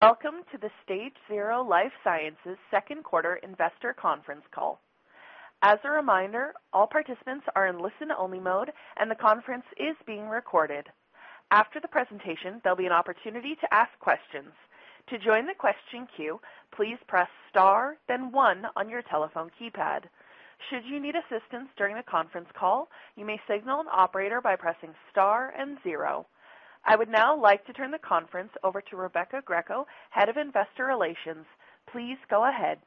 Welcome to the StageZero Life Sciences second quarter investor conference call. As a reminder, all participants are in listen-only mode, and the conference is being recorded. After the presentation, there'll be an opportunity to ask questions. To join the question queue, please press star, then one on your telephone keypad. Should you need assistance during the conference call, you may signal an operator by pressing star and zero. I would now like to turn the conference over to Rebecca Greco, head of investor relations. Please go ahead.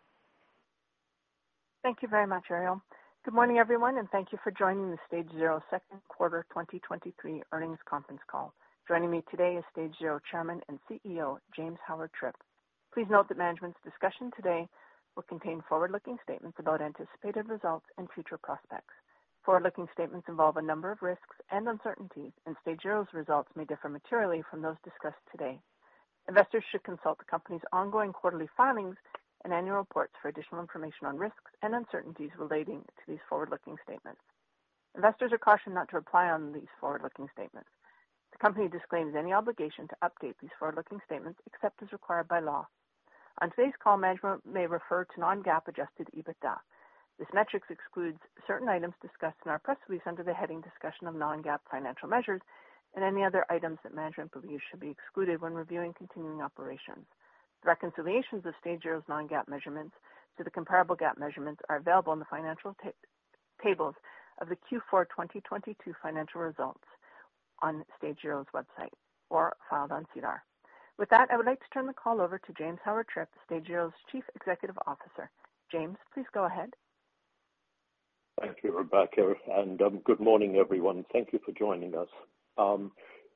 Thank you very much, Ariel. Good morning, everyone, and thank you for joining the StageZero second quarter 2023 earnings conference call. Joining me today is StageZero Chairman and CEO, James Howard-Tripp. Please note that management's discussion today will contain forward-looking statements about anticipated results and future prospects. Forward-looking statements involve a number of risks and uncertainties, and StageZero's results may differ materially from those discussed today. Investors should consult the company's ongoing quarterly filings and annual reports for additional information on risks and uncertainties relating to these forward-looking statements. Investors are cautioned not to rely on these forward-looking statements. The company disclaims any obligation to update these forward-looking statements, except as required by law. On today's call, management may refer to non-GAAP adjusted EBITDA. This metrics excludes certain items discussed in our press release under the heading Discussion of Non-GAAP Financial Measures and any other items that management believes should be excluded when reviewing continuing operations. Reconciliations of StageZero's non-GAAP measurements to the comparable GAAP measurements are available in the financial tables of the Q4 2022 financial results on StageZero's website or filed on SEDAR. With that, I would like to turn the call over to James Howard-Tripp, StageZero's Chief Executive Officer. James, please go ahead. Thank you, Rebecca, and good morning, everyone. Thank you for joining us.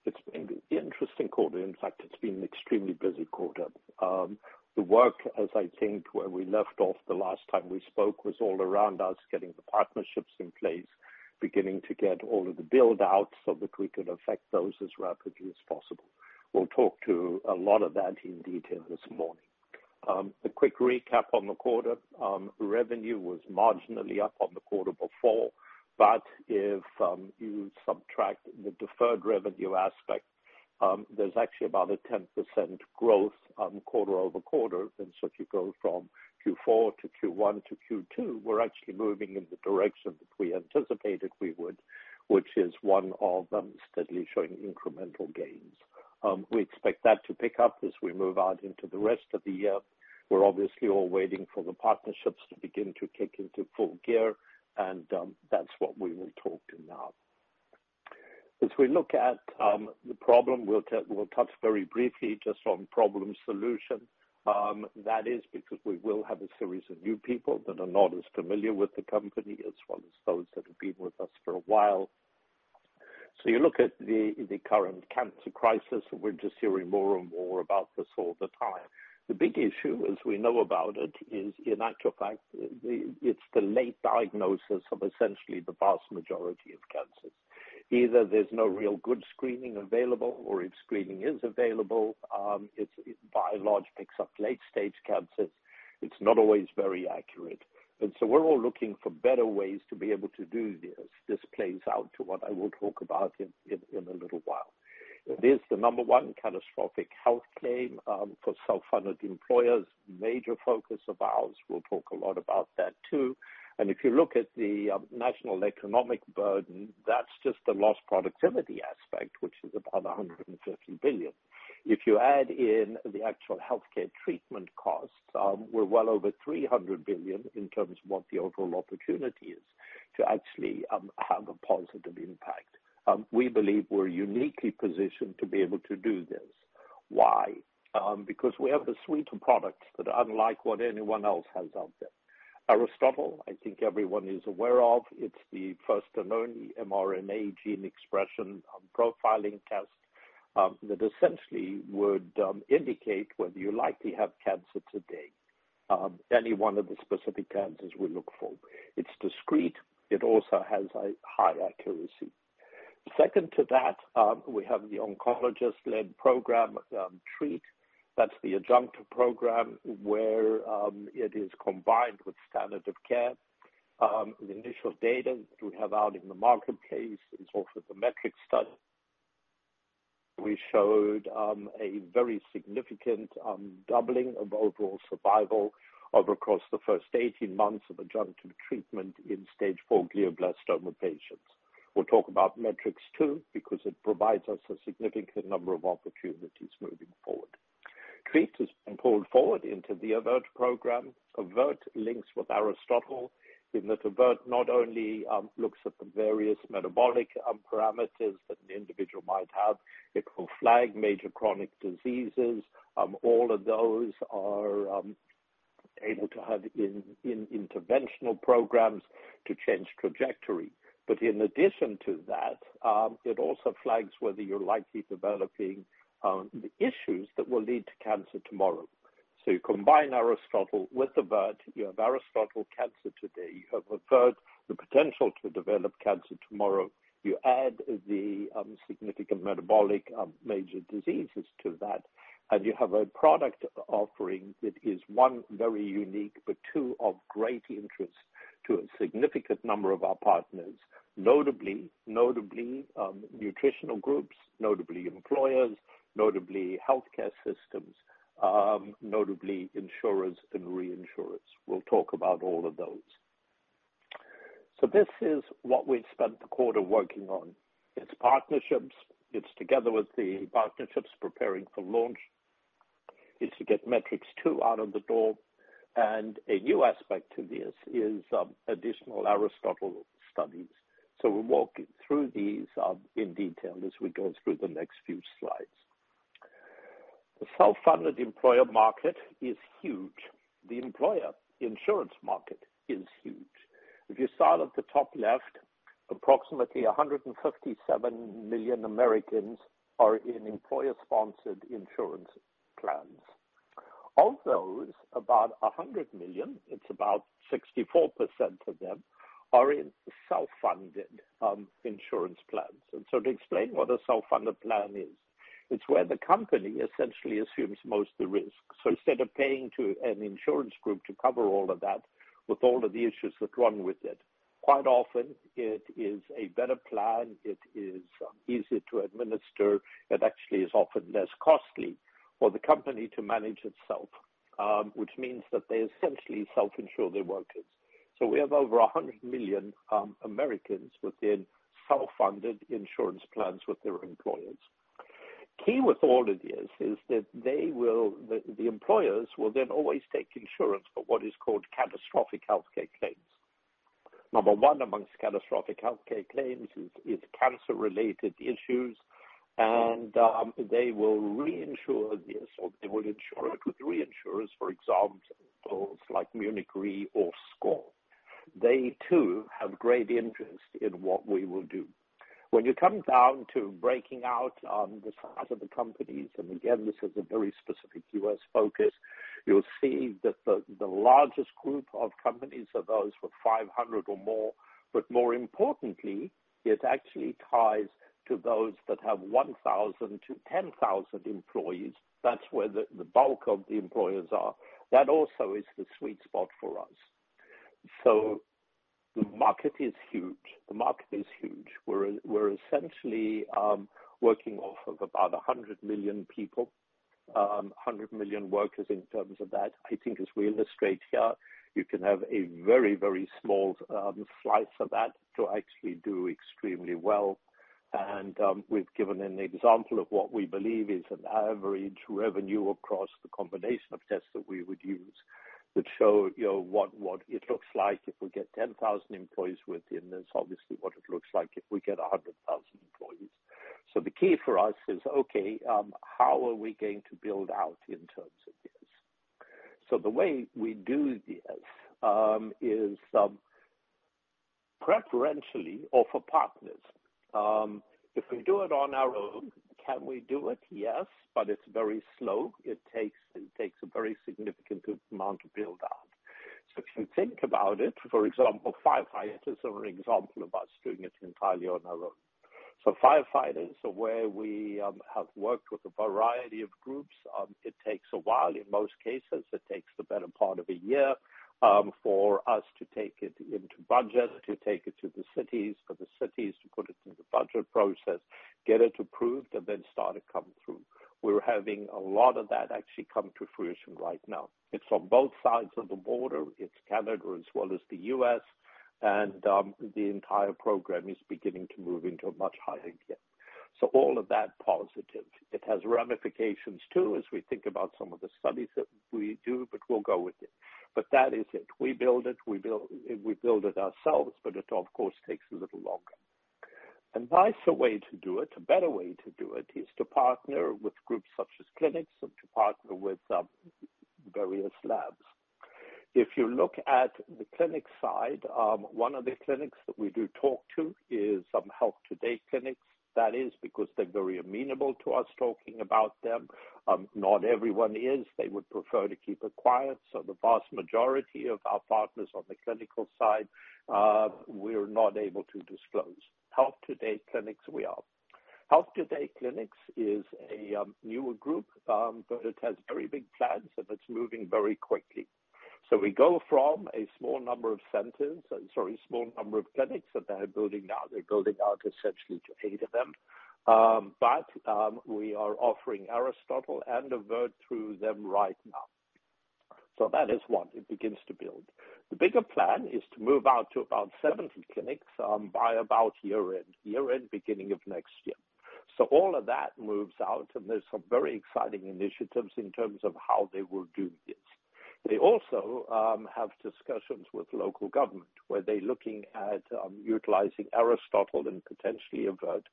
It's been an interesting quarter. In fact, it's been an extremely busy quarter. The work, as I think, where we left off the last time we spoke, was all around us, getting the partnerships in place, beginning to get all of the build-outs so that we could affect those as rapidly as possible. We'll talk to a lot of that in detail this morning. A quick recap on the quarter. Revenue was marginally up on the quarter before, but if you subtract the deferred revenue aspect, there's actually about a 10% growth on quarter-over-quarter. If you go from Q4 to Q1 to Q2, we're actually moving in the direction that we anticipated we would, which is one of steadily showing incremental gains. We expect that to pick up as we move out into the rest of the year. We're obviously all waiting for the partnerships to begin to kick into full gear, and that's what we will talk to now. As we look at the problem, we'll touch very briefly just on problem solution. That is because we will have a series of new people that are not as familiar with the company, as well as those that have been with us for a while. You look at the current cancer crisis, we're just hearing more and more about this all the time. The big issue, as we know about it, is in actual fact, the, it's the late diagnosis of essentially the vast majority of cancers. Either there's no real good screening available, or if screening is available, it's, by and large, picks up late-stage cancers. It's not always very accurate. We're all looking for better ways to be able to do this. This plays out to what I will talk about in, in, in a little while. It is the number one catastrophic healthcare claim for self-funded employers. Major focus of ours. We'll talk a lot about that, too. If you look at the national economic burden, that's just the lost productivity aspect, which is about $150 billion. If you add in the actual healthcare treatment costs, we're well over $300 billion in terms of what the overall opportunity is to actually have a positive impact. We believe we're uniquely positioned to be able to do this. Why? Because we have a suite of products that are unlike what anyone else has out there. Aristotle, I think everyone is aware of. It's the first and only mRNA gene expression profiling test that essentially would indicate whether you likely have cancer today. Any one of the specific cancers we look for. It's discrete. It also has a high accuracy. Second to that, we have the oncologist-led program, TREAT. That's the adjunctive program where it is combined with standard of care. The initial data that we have out in the marketplace is also the METRICS study. We showed a very significant doubling of overall survival over across the first 18 months of adjunctive treatment in stage four glioblastoma patients. We'll talk about METRICS II, because it provides us a significant number of opportunities moving forward. TREAT has been pulled forward into the AVERT program. AVERT links with Aristotle in that AVERT not only looks at the various metabolic parameters that an individual might have, it will flag major chronic diseases. All of those are able to have in interventional programs to change trajectory. In addition to that, it also flags whether you're likely developing the issues that will lead to cancer tomorrow. You combine Aristotle with AVERT, you have Aristotle cancer today, you have AVERT, the potential to develop cancer tomorrow. You add the significant metabolic major diseases to that, and you have a product offering that is, one, very unique, but two, of great interest. to a significant number of our partners, notably, notably nutritional groups, notably employers, notably healthcare systems, notably insurers and reinsurers. We'll talk about all of those. This is what we've spent the quarter working on. It's partnerships. It's together with the partnerships preparing for launch. It's to get METRICS II out of the door. A new aspect to this is, additional Aristotle studies. We'll walk through these, in detail as we go through the next few slides. The self-funded employer market is huge. The employer insurance market is huge. If you start at the top left, approximately 157 million Americans are in employer-sponsored insurance plans. Of those, about 100 million, it's about 64% of them, are in self-funded, insurance plans. To explain what a self-funded plan is, it's where the company essentially assumes most of the risk. Instead of paying to an insurance group to cover all of that, with all of the issues that run with it, quite often it is a better plan, it is easier to administer, it actually is often less costly for the company to manage itself, which means that they essentially self-insure their workers. We have over 100 million Americans within self-funded insurance plans with their employers. Key with all of this is that the employers will then always take insurance for what is called catastrophic healthcare claims. Number one, amongst catastrophic healthcare claims is cancer-related issues, and they will reinsure this, or they will insure it with reinsurers, for example, those like Munich Re or SCOR. They too have great interest in what we will do. When you come down to breaking out, the size of the companies, and again, this is a very specific U.S. focus, you'll see that the, the largest group of companies are those with 500 or more. More importantly, it actually ties to those that have 1,000-10,000 employees. That's where the, the bulk of the employers are. That also is the sweet spot for us. The market is huge. The market is huge. We're, we're essentially working off of about 100 million people, 100 million workers in terms of that. I think as we illustrate here, you can have a very, very small slice of that to actually do extremely well. We've given an example of what we believe is an average revenue across the combination of tests that we would use. That show, you know, what, what it looks like if we get 10,000 employees within this, obviously, what it looks like if we get 100,000 employees. The key for us is, okay, how are we going to build out in terms of this? The way we do this, is preferentially or for partners. If we do it on our own, can we do it? Yes, but it's very slow. It takes, it takes a very significant amount to build out. If you think about it, for example, firefighters are an example about us doing it entirely on our own. Firefighters, where we, have worked with a variety of groups, it takes a while. In most cases, it takes the better part of a year, for us to take it into budget, to take it to the cities, for the cities to put it through the budget process, get it approved, and then start to come through. We're having a lot of that actually come to fruition right now. It's on both sides of the border. It's Canada as well as the U.S., and the entire program is beginning to move into a much higher gear. All of that, positive. It has ramifications too, as we think about some of the studies that we do, but we'll go with it. That is it. We build it, we build, we build it ourselves, but it, of course, takes a little longer. A nicer way to do it, a better way to do it, is to partner with groups such as clinics and to partner with various labs. If you look at the clinic side, one of the clinics that we do talk to is Health Today clinics. That is because they're very amenable to us talking about them. Not everyone is. They would prefer to keep it quiet. The vast majority of our partners on the clinical side, we're not able to disclose. Health Today clinics, we are. Health Today clinics is a newer group, but it has very big plans, and it's moving very quickly. We go from a small number of centers, sorry, a small number of clinics that they are building out. They're building out essentially to eight of them. We are offering Aristotle and AVERT through them right now. That is one, it begins to build. The bigger plan is to move out to about 70 clinics by about year-end, year-end, beginning of next year. All of that moves out, and there's some very exciting initiatives in terms of how they will do this. They also have discussions with local government, where they're looking at utilizing Aristotle and potentially AVERT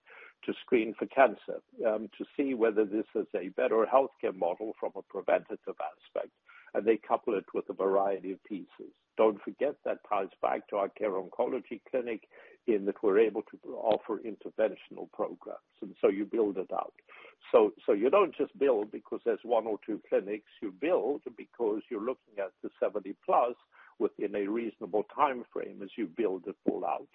to screen for cancer to see whether this is a better healthcare model from a preventative aspect, and they couple it with a variety of pieces. Don't forget, that ties back to our Care Oncology clinic, in that we're able to offer interventional programs, and so you build it out. so you don't just build because there's one or two clinics, you build because you're looking at the 70+ within a reasonable timeframe as you build it full out.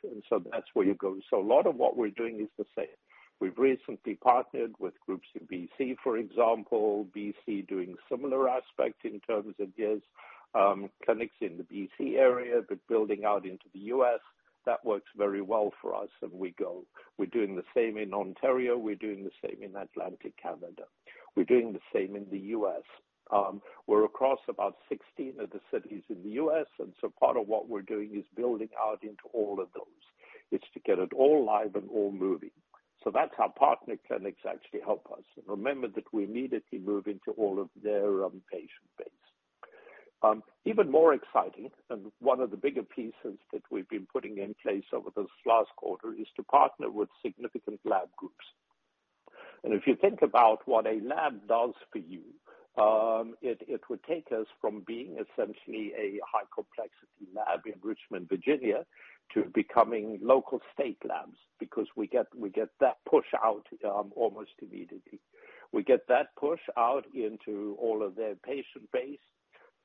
That's where you go. A lot of what we're doing is the same. We've recently partnered with groups in BC, for example. BC doing similar aspects in terms of yes, clinics in the BC area, but building out into the U.S.. That works very well for us, and we go. We're doing the same in Ontario. We're doing the same in Atlantic Canada. We're doing the same in the U.S.. We're across about 16 of the cities in the U.S., part of what we're doing is building out into all of those. It's to get it all live and all moving. That's how partner clinics actually help us. Remember that we immediately move into all of their patient base. Even more exciting, and one of the bigger pieces that we've been putting in place over this last quarter, is to partner with significant lab groups. If you think about what a lab does for you, it would take us from being essentially a high-complexity lab in Richmond, Virginia, to becoming local state labs, because we get that push out almost immediately. We get that push out into all of their patient base,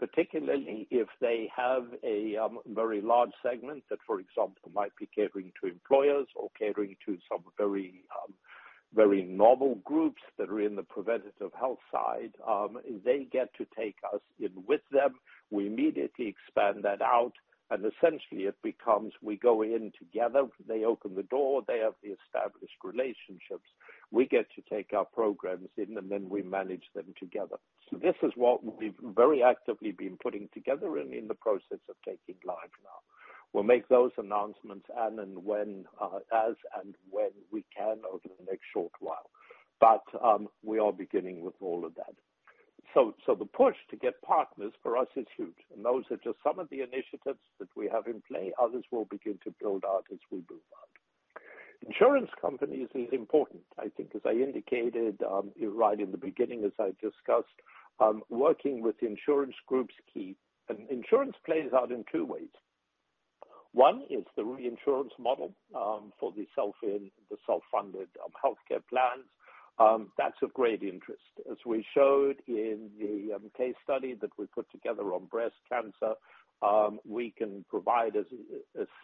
particularly if they have a very large segment that, for example, might be catering to employers or catering to some very novel groups that are in the preventative health side. They get to take us in with them. We immediately expand that out, and essentially it becomes, we go in together, they open the door, they have the established relationships. We get to take our programs in, and then we manage them together. This is what we've very actively been putting together and in the process of taking live now. We'll make those announcements and then when, as and when we can over the next short while. We are beginning with all of that. The push to get partners for us is huge, and those are just some of the initiatives that we have in play. Others will begin to build out as we move on. Insurance companies is important, I think, as I indicated, right in the beginning, as I discussed, working with insurance groups key. Insurance plays out in two ways. One is the reinsurance model for the self in the self-funded healthcare plans. That's of great interest. As we showed in the case study that we put together on breast cancer, we can provide a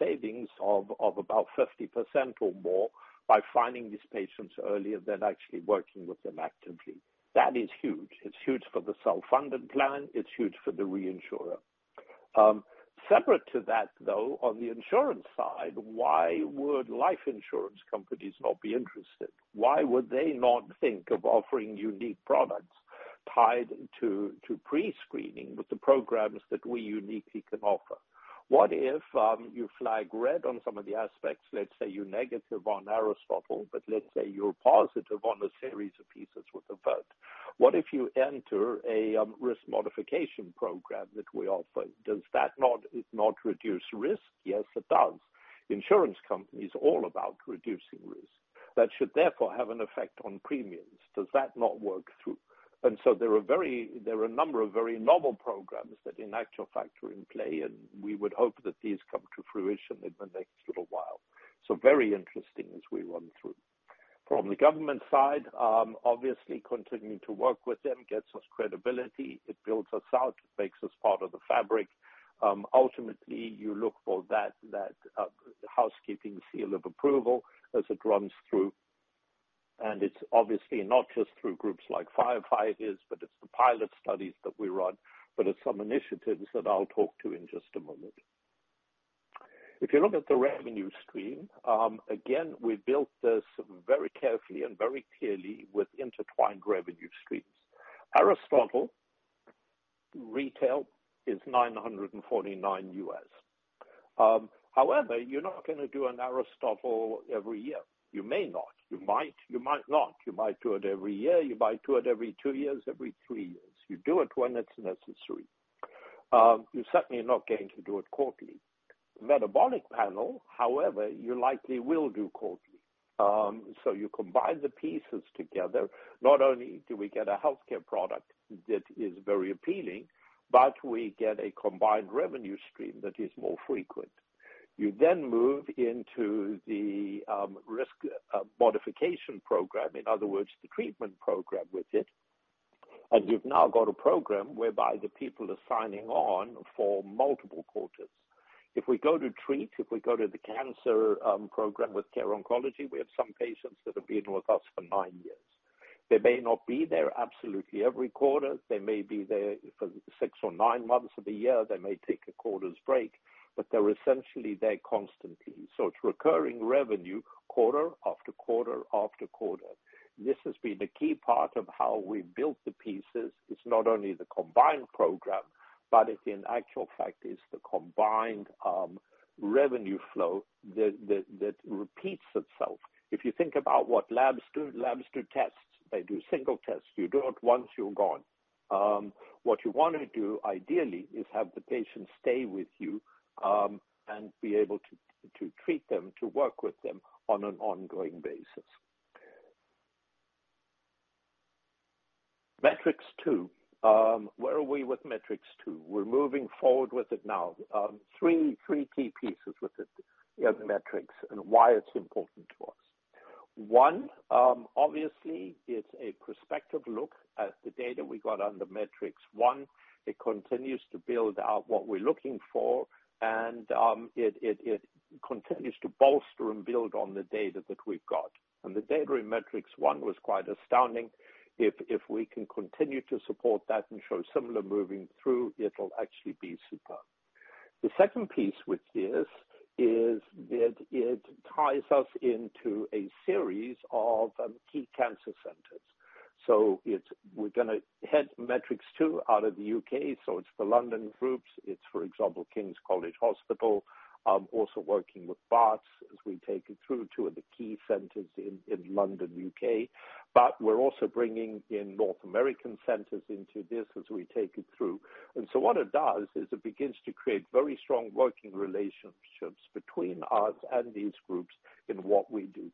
savings of about 50% or more by finding these patients earlier than actually working with them actively. That is huge. It's huge for the self-funded plan. It's huge for the reinsurer. Separate to that, though, on the insurance side, why would life insurance companies not be interested? Why would they not think of offering unique products tied to prescreening with the programs that we uniquely can offer? What if you flag red on some of the aspects, let's say you're negative on Aristotle, but let's say you're positive on a series of pieces with effect. What if you enter a risk modification program that we offer? Does that not, not reduce risk? Yes, it does. Insurance company is all about reducing risk. That should therefore have an effect on premiums. Does that not work through? So there are a number of very novel programs that in actual fact are in play, and we would hope that these come to fruition in the next little while. Very interesting as we run through. From the government side, obviously continuing to work with them gets us credibility, it builds us out, it makes us part of the fabric. Ultimately, you look for that, that housekeeping seal of approval as it runs through. It's obviously not just through groups like firefighters, but it's the pilot studies that we run, but it's some initiatives that I'll talk to in just a moment. If you look at the revenue stream, again, we built this very carefully and very clearly with intertwined revenue streams. Aristotle retail is $949. However, you're not gonna do an Aristotle every year. You may not. You might, you might not. You might do it every year, you might do it every two years, every three years. You do it when it's necessary. You're certainly not going to do it quarterly. metabolic panel, however, you likely will do quarterly. You combine the pieces together. Not only do we get a healthcare product that is very appealing, but we get a combined revenue stream that is more frequent. You then move into the risk modification program, in other words, the treatment program with it, and you've now got a program whereby the people are signing on for multiple quarters. If we go to TREAT, if we go to the cancer program with Care Oncology, we have some patients that have been with us for nine years. They may not be there absolutely every quarter. They may be there for six or nine months of the year. They may take a quarter's break, but they're essentially there constantly. It's recurring revenue quarter, after quarter, after quarter. This has been a key part of how we've built the pieces. It's not only the combined program, but it in actual fact, is the combined revenue flow that, that, that repeats itself. If you think about what labs do, labs do tests. They do single tests. You do it once, you're gone. What you wanna do, ideally, is have the patient stay with you, and be able to, to treat them, to work with them on an ongoing basis. METRICS II. Where are we with METRICS II? We're moving forward with it now. three, three key pieces with it, yeah, the METRICS and why it's important to us. One, obviously, it's a prospective look at the data we got on the METRICS I. It continues to build out what we're looking for, and it continues to bolster and build on the data that we've got. The data in METRICS I was quite astounding. If, if we can continue to support that and show similar moving through, it'll actually be super. The second piece with this, is that it ties us into a series of key cancer centers. We're gonna head METRICS II out of the U.K., so it's the London groups, it's for example, King's College Hospital, also working with Barts, as we take it through two of the key centers in London, U.K.. We're also bringing in North American centers into this as we take it through. What it does is it begins to create very strong working relationships between us and these groups in what we do.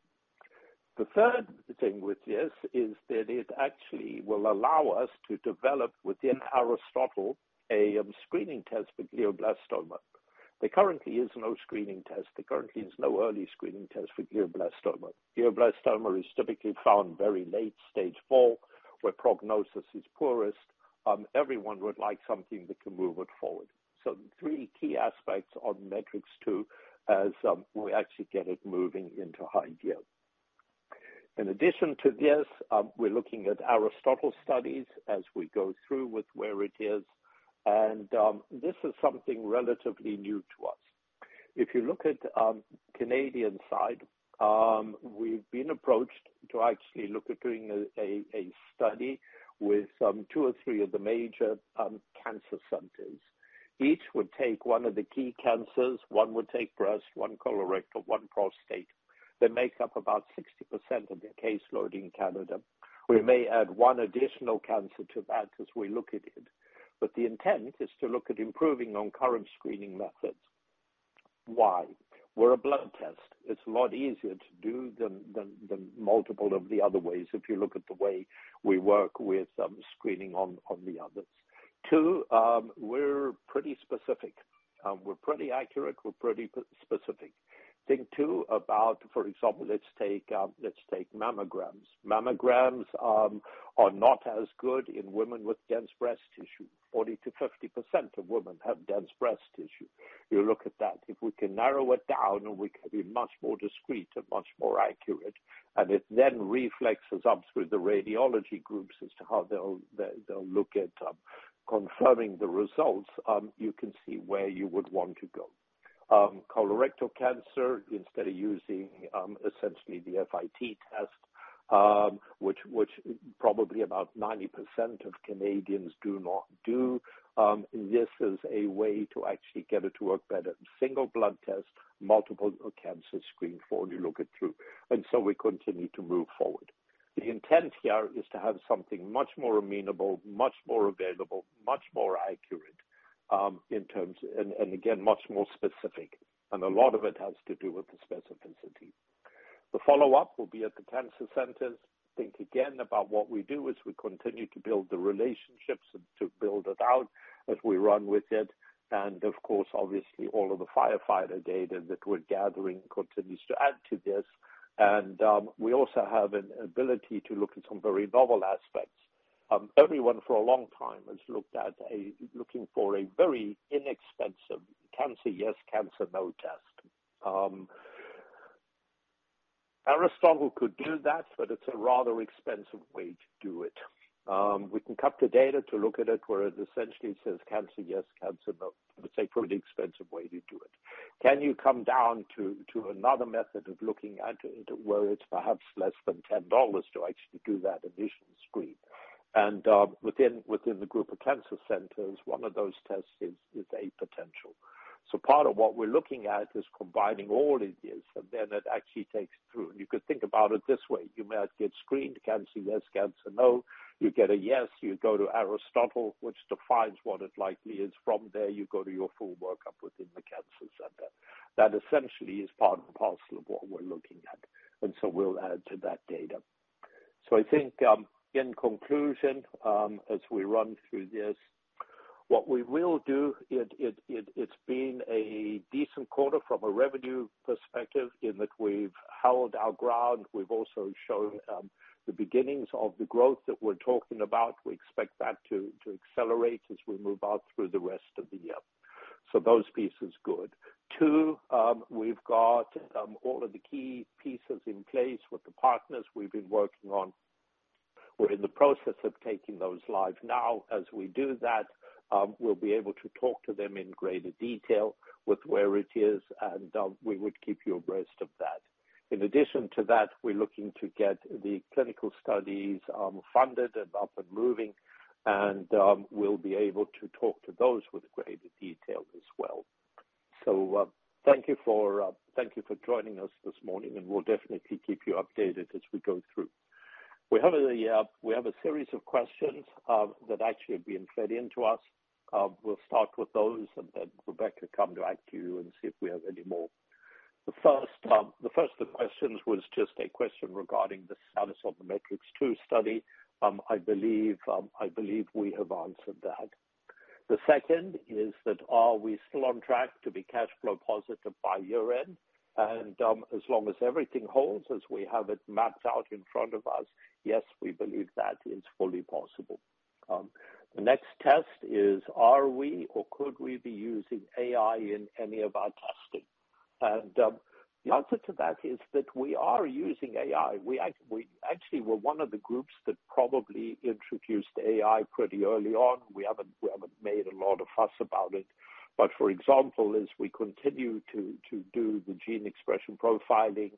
The third thing with this, is that it actually will allow us to develop, within Aristotle, a screening test for glioblastoma. There currently is no screening test. There currently is no early screening test for glioblastoma. Glioblastoma is typically found very late, stage 4, where prognosis is poorest. Everyone would like something that can move it forward. Three key aspects on METRICS II as we actually get it moving into high gear. In addition to this, we're looking at Aristotle studies as we go through with where it is, and this is something relatively new to us. If you look at Canadian side, we've been approached to actually look at doing a study with two or three of the major cancer centers. Each would take one of the key cancers. One would take breast, one colorectal, one prostate. They make up about 60% of their caseload in Canada. We may add one additional cancer to that as we look at it. The intent is to look at improving on current screening methods. Why? We're a blood test. It's a lot easier to do than, than, than multiple of the other ways, if you look at the way we work with, screening on, on the others. Two, we're pretty specific. We're pretty accurate, we're pretty specific. Think, too, about, for example, let's take, let's take mammograms. Mammograms, are not as good in women with dense breast tissue. 40%-50% of women have dense breast tissue. You look at that, if we can narrow it down and we can be much more discreet and much more accurate, and it then reflexes up through the radiology groups as to how they'll, they, they'll look at, confirming the results, you can see where you would want to go. colorectal cancer, instead of using, essentially the FIT test, which, which probably about 90% of Canadians do not do, this is a way to actually get it to work better. Single blood test, multiple cancer screened for, you look it through. We continue to move forward. The intent here is to have something much more amenable, much more available, much more accurate, in terms. Again, much more specific. A lot of it has to do with the specificity. The follow-up will be at the cancer centers. Think again about what we do as we continue to build the relationships and to build it out as we run with it. Of course, obviously, all of the firefighter data that we're gathering continues to add to this. We also have an ability to look at some very novel aspects. Everyone for a long time has looked at looking for a very inexpensive cancer, yes/cancer no test. Aristotle could do that, but it's a rather expensive way to do it. We can cut the data to look at it, where it essentially says, cancer yes/cancer no, but it's a pretty expensive way to do it. Can you come down to, to another method of looking at it, where it's perhaps less than $10 to actually do that initial screen? Within, within the group of cancer centers, one of those tests is, is a potential. Part of what we're looking at is combining all it is, and then it actually takes it through. You could think about it this way: you might get screened cancer, yes/cancer no. You get a yes, you go to Aristotle, which defines what it likely is. From there, you go to your full workup within the cancer center. That essentially is part and parcel of what we're looking at, and so we'll add to that data. I think, in conclusion, as we run through this, what we will do, it's been a decent quarter from a revenue perspective, in that we've held our ground. We've also shown, the beginnings of the growth that we're talking about. We expect that to, to accelerate as we move out through the rest of the year. Those piece is good. Two, we've got all of the key pieces in place with the partners we've been working on. We're in the process of taking those live now. As we do that, we'll be able to talk to them in greater detail with where it is, and we would keep you abreast of that. In addition to that, we're looking to get the clinical studies funded and up and moving, and we'll be able to talk to those with greater detail as well. Thank you for joining us this morning, and we'll definitely keep you updated as we go through. We have a, we have a series of questions that actually have been fed into us. We'll start with those and then, Rebecca, come back to you and see if we have any more. The first, the first of the questions was just a question regarding the status of the METRICS II study. I believe, I believe we have answered that. The second is that, are we still on track to be cashflow positive by year-end? As long as everything holds, as we have it mapped out in front of us, yes, we believe that is fully possible. The next test is, are we or could we be using AI in any of our testing? The answer to that is that we are using AI. We actually were one of the groups that probably introduced AI pretty early on. We haven't, we haven't made a lot of fuss about it. For example, as we continue to, to do the gene expression profiling,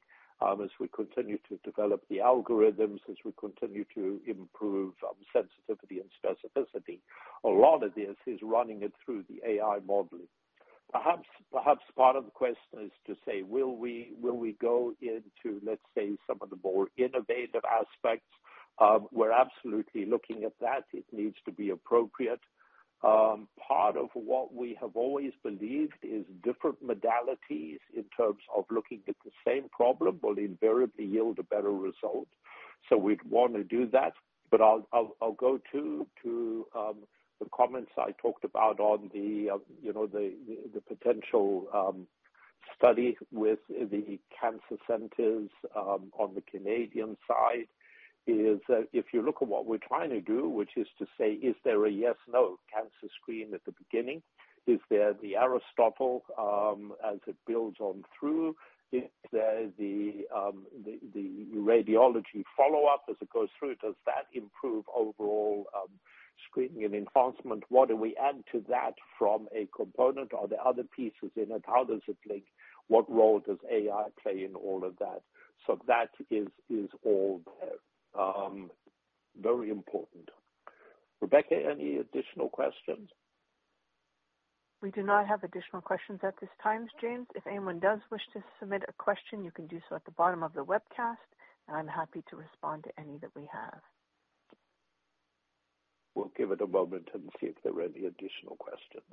as we continue to develop the algorithms, as we continue to improve, sensitivity and specificity, a lot of this is running it through the AI modeling. Perhaps, perhaps part of the question is to say, will we, will we go into, let's say, some of the more innovative aspects? We're absolutely looking at that. It needs to be appropriate. Part of what we have always believed is different modalities in terms of looking at the same problem, will invariably yield a better result, so we'd wanna do that. I'll, I'll, I'll go to the comments I talked about on the, you know, the potential study with the cancer centers on the Canadian side. Is that if you look at what we're trying to do, which is to say, is there a yes, no cancer screen at the beginning? Is there the Aristotle as it builds on through? Is there the radiology follow-up as it goes through, does that improve overall screening and enhancement? What do we add to that from a component or the other pieces in it? How does it link? What role does AI play in all of that? That is, is all there. Very important. Rebecca, any additional questions? We do not have additional questions at this time, James. If anyone does wish to submit a question, you can do so at the bottom of the webcast, and I'm happy to respond to any that we have. We'll give it a moment and see if there are any additional questions.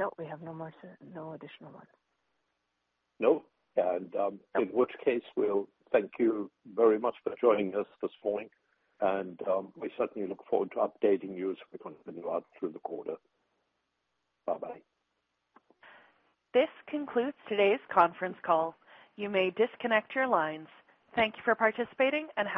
Rebecca? No, we have no more sir, no additional ones. No, in which case, we'll thank you very much for joining us this morning, and, we certainly look forward to updating you as we continue out through the quarter. Bye-bye. This concludes today's conference call. You may disconnect your lines. Thank you for participating, and have a great day.